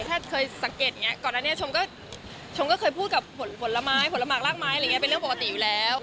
ถ้าเคยสังเกตก่อนนั้นเนี่ยฉมก็คือเคยพูดกับผลไม้ผลหมากรากไม้เนี่ยเป็นเรื่องปกติอยู่แล้ว